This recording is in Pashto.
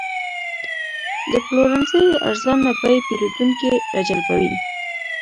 د پلورنځي ارزانه بیې پیرودونکي راجلبوي.